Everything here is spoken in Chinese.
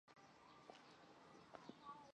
杨基宽毕业于国立成功大学外文系。